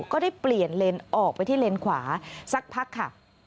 ก็ได้เปลี่ยนเลนออกไปที่เลนขวาสักพักค่ะ